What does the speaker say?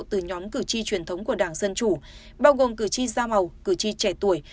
từ nhóm cử tri truyền thống của đảng dân chủ bao gồm cử tri da màu cử tri trẻ tuổi